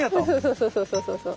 そうそうそうそうそう。